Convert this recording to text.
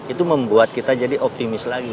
itu membuat kita jadi optimis lagi